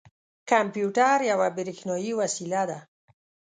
کمپیوټر یوه بریښنايې وسیله ده.